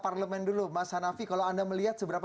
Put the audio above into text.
perhatian negara oleh tni tersebut